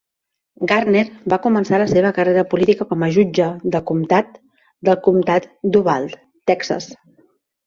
Garner va començar la seva carrera política com jutge de comtat del comtat d'Uvalde, Texas.